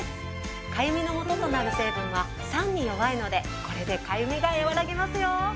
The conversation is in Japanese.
かゆみのもととなる成分は酸に弱いのでこれでかゆみがやわらぎますよ。